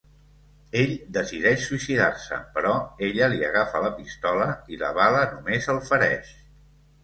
Ell decideix suïcidar-se però ella li agafa la pistola i la bala només el fereix.